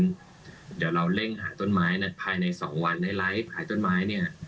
เดี๋ยวเราเร่งหาต้นไม้ภายใน๒วันในไลฟ์ขายต้นไม้เนี่ย